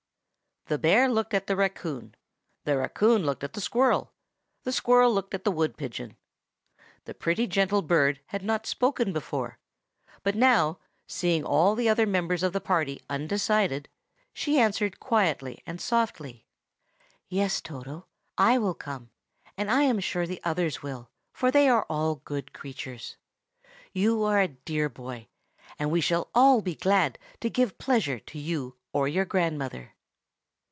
The bear looked at the raccoon; the raccoon looked at the squirrel; and the squirrel looked at the wood pigeon. The pretty, gentle bird had not spoken before; but now, seeing all the other members of the party undecided, she answered quietly and softly, "Yes, Toto; I will come, and I am sure the others will, for they are all good creatures. You are a dear boy, and we shall all be glad to give pleasure to you or your grandmother."